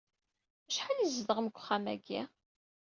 Acḥal i tzedɣem deg wexxam-agi?